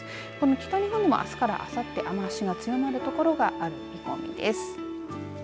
北日本にもあすからあさって雨足が強まるところがある見込みです。